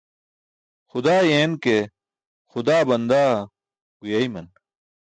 Xudaa yeen ke xudaa bandaa guyeeyman.